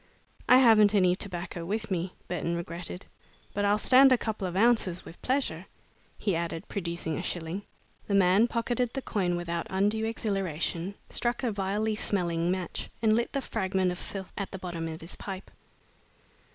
"I haven't any tobacco with me," Burton regretted, "but I'll stand a couple of ounces, with pleasure," he added, producing a shilling. The man pocketed the coin without undue exhilaration, struck a vilely smelling match, and lit the fragment of filth at the bottom of his pipe.